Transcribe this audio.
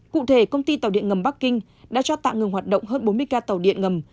cụ thể công ty tàu điện ngầm bắc kinh đã cho tạm ngừng hoạt động hơn bốn mươi ca tàu điện ngầm